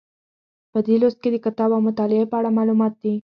په دې لوست کې د کتاب او مطالعې په اړه معلومات دي.